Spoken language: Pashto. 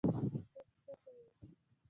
ته څه کوی؟